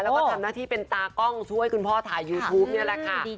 แล้วที้นเป็นตากล้องช่วยคุณพ่อถ่ายยูทูปนี่แหละค่ะ